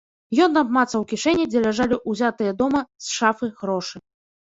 Ён абмацаў кішэні, дзе ляжалі ўзятыя дома з шафы грошы.